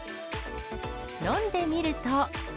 飲んでみると。